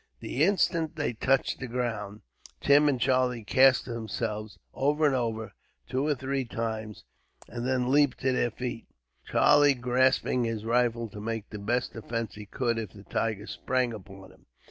The instant they touched the ground, Tim and Charlie cast themselves over and over, two or three times; and then leaped to their feet, Charlie grasping his rifle, to make the best defence he could if the tiger sprang upon him.